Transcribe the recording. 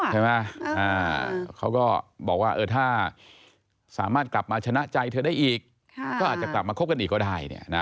ใช่ไหมเขาก็บอกว่าถ้าสามารถกลับมาชนะใจเธอได้อีกก็อาจจะกลับมาคบกันอีกก็ได้